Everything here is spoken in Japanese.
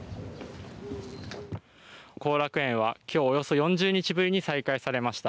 後楽園はきょうおよそ４０日ぶりに再開されました。